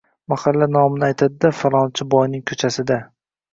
mahalla nomini aytadi-da: «Falonchi boyning ko‘chasida»